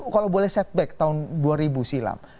kalau boleh setback tahun dua ribu silam